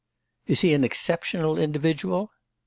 'Is he an exceptional individual?